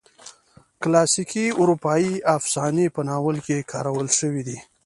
کلاسیکي اروپایي افسانې په ناول کې کارول شوي دي.